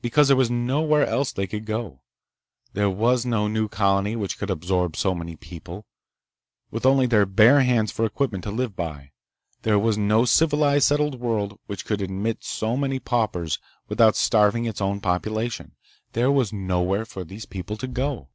Because there was nowhere else that they could go! There was no new colony which could absorb so many people, with only their bare hands for equipment to live by. There was no civilized, settled world which could admit so many paupers without starving its own population. There was nowhere for these people to go!